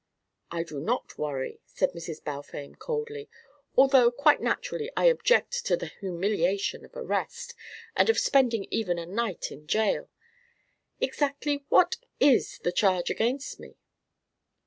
"I do not worry," said Mrs. Balfame coldly, " although quite naturally I object to the humiliation of arrest, and of spending even a night in jail. Exactly what is the charge against me?"